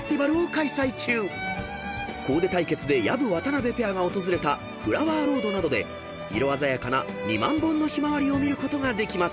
［コーデ対決で薮・渡辺ペアが訪れたフラワーロードなどで色鮮やかな２万本のひまわりを見ることができます］